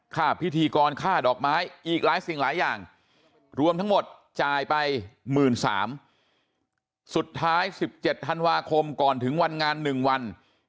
ค่าพิธีกรค่าดอกไม้อีกหลายสิ่งหลายอย่างรวมทั้งหมดจ่ายไป๑๓๐๐สุดท้าย๑๗ธันวาคมก่อนถึงวันงาน๑วัน